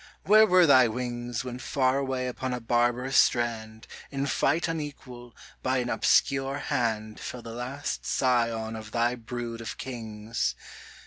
where were thy wings When far away upon a barbarous strand, In fight unequal, by an obscure hand, Fell the last scion of thy brood of Kings